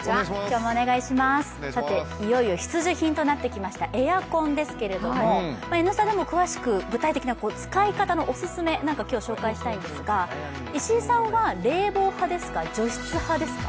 いよいよ必需品となってきましたエアコンですけれども「Ｎスタ」でも詳しく具体的な使い方のオススメを今日、紹介したいんですが石井さんは冷房派ですか、除湿派ですか？